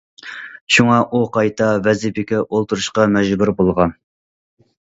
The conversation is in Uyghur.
شۇڭا ئۇ قايتا ۋەزىپىگە ئولتۇرۇشقا مەجبۇر بولغان.